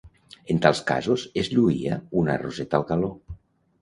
En tals casos, es lluïa una roseta al galó.